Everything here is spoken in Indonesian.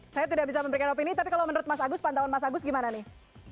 saya tidak bisa memberikan opini tapi kalau menurut mas agus pantauan mas agus gimana nih